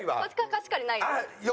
貸し借りないです。